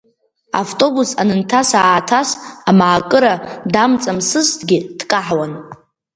Автобус анынҭас-ааҭас, амаакыра дамҵамсызҭгьы дкаҳауан.